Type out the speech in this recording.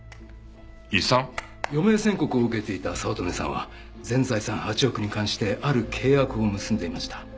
余命宣告を受けていた早乙女さんは全財産８億に関してある契約を結んでいました。